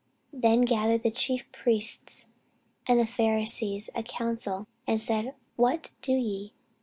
Then gathered the chief priests and the Pharisees a council, and said, What do we?